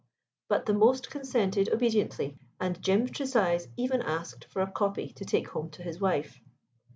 But the most consented obediently, and Jim Tresize even asked for a copy to take home to his wife.